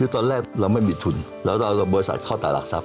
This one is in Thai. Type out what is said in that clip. ตอนแรกเราไม่มีทุนแล้วเราเอาบริษัทเข้าตลาดหลักทรัพย